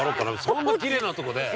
そんなきれいなとこで。